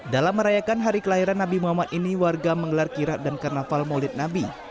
dalam merayakan hari kelahiran nabi muhammad ini warga menggelar kirap dan karnaval maulid nabi